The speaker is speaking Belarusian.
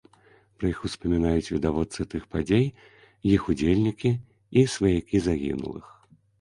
Пра іх успамінаюць відавочцы тых падзей, іх удзельнікі, і сваякі загінулых.